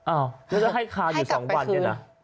อ้าวแล้วจะให้คาอยู่สองวันเนี่ยนะ